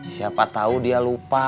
siapa tau dia lupa